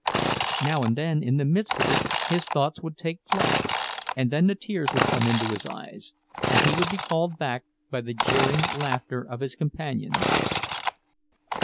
Now and then in the midst of it his thoughts would take flight; and then the tears would come into his eyes—and he would be called back by the jeering laughter of his companions.